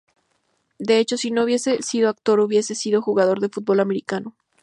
De hecho si no hubiese sido actor hubiera sido jugador de fútbol americano.